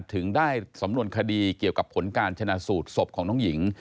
ถึงได้สำนวนคดีเกี่ยวกับผลการชนะสูตรศพของน้องหญิง